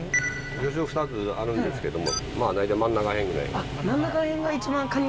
漁礁２つあるんですけども大体真ん中辺ぐらいに。